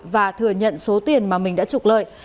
và thừa nhận số tiền mà mình đã trục lợi